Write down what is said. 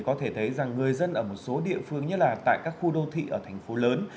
có thể thấy rằng người dân ở một số địa phương như là tại các khu đô thị ở thành phố lớn